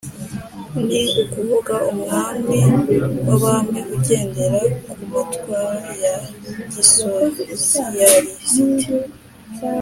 ni ukuvuga umwami w'abami ugendera ku matwara ya gisosiyalisiti